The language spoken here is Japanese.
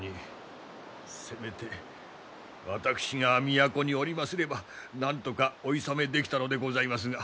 せめて私が都におりますればなんとかおいさめできたのでございますが。